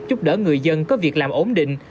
chúc đỡ người dân có việc làm ổn định